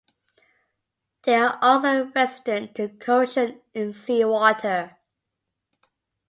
They are also resistant to corrosion in sea water.